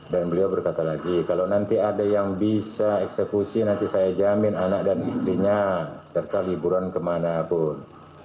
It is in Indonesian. dan beliau berkata lagi kalau nanti ada yang bisa eksekusi nanti saya jamin anak dan istrinya serta liburan kemana pun